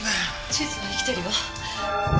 地図は生きてるよ。